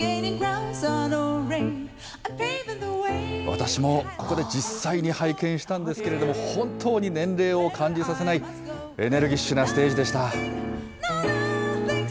私もここで実際に拝見したんですけれども、本当に年齢を感じさせない、エネルギッシュなステージでした。